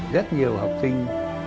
rất nhiều học sinh